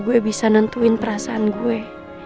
gue bisa nentuin perasaan gue